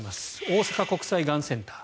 大阪国際がんセンター。